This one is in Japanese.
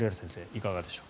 いかがでしょう。